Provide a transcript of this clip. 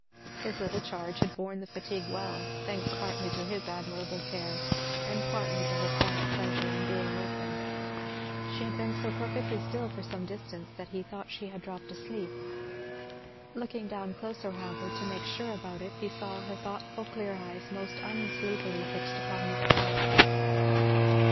His little charge had borne the fatigue well, thanks partly to his admirable care, and partly to her quiet pleasure in being with him. She had been so perfectly still for some distance that he thought she had dropped asleep. Looking down closer however to make sure about it he saw her thoughtful clear eyes most unsleepily fixed upon the sky.